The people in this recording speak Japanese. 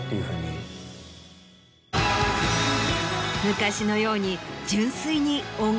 昔のように。